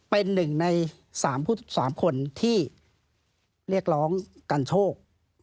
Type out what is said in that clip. เป็นหนึ่งใน๓คนที่เรียกร้องกันโชค